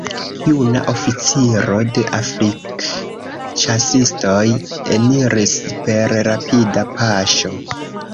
Juna oficiro de Afrikĉasistoj eniris per rapida paŝo.